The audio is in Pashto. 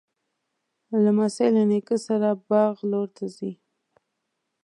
لمسی له نیکه سره د باغ لور ته ځي.